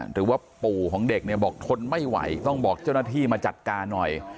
หรือว่าปู่ของเด็กเนี่ยบอกทนไม่ไหวต้องบอกเจ้าหน้าที่มาจัดการหน่อย